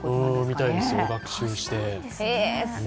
みたいですよ、学習して。